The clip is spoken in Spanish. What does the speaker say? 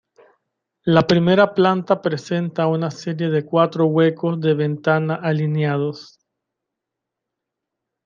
La primera planta presenta una serie de cuatro huecos de ventana alineados.